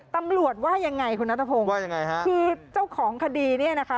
ตำรวจว่ายังไงคุณนัทธพงศ์คือเจ้าของคดีนี่นะคะ